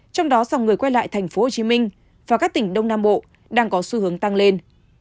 trong đó dòng người quay lại thành phố hồ chí minh và các tỉnh đông nam bộ đang có xu hướng tăng lên